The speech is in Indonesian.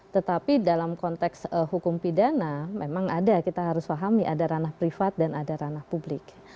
tetapi dalam konteks hukum pidana memang ada kita harus pahami ada ranah privat dan ada ranah publik